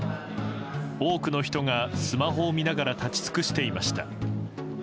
多くの人がスマホを見ながら立ち尽くしていました。